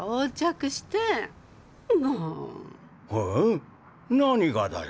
何がだよ。